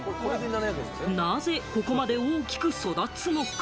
なぜ、ここまで大きく育つのか？